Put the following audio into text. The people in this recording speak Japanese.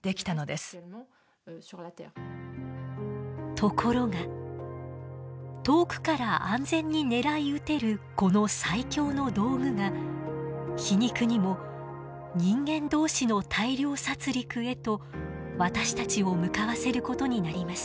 ところが遠くから安全に狙い撃てるこの最強の道具が皮肉にも人間同士の大量殺戮へと私たちを向かわせることになります。